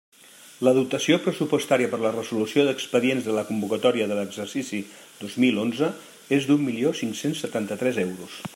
La dotació pressupostària per a la resolució d'expedients de la convocatòria de l'exercici dos mil onze és d'un milió cinc-cents setanta-tres euros.